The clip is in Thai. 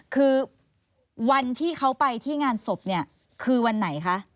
คือวันที่เขาไปที่งานศพเนี่ยคือวันไหนคะ